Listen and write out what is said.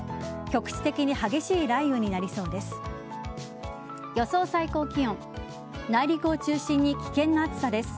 局地的に激しい雷雨になりそうです。